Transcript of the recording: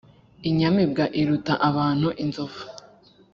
inyamibwa iruta abantu inzovu